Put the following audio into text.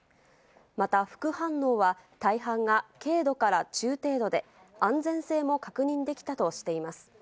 また副反応は、大半が軽度から中程度で、安全性も確認できたとしています。